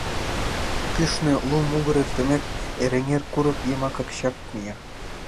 Кӱшнӧ лу мугыр эртымек, Эреҥер курык йымакак чак мия.